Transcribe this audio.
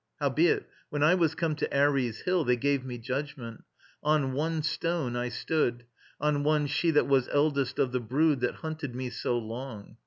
Howbeit, when I was come to Ares' Hill They gave me judgment. On one stone I stood, On one she that was eldest of the brood That hunted me so long.